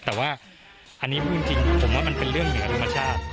แต่ว่าอันนี้พูดจริงผมว่ามันเป็นเรื่องเหนือธรรมชาติ